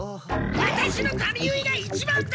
ワタシの髪結いが一番だ！